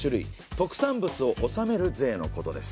特産物を納める税のことです。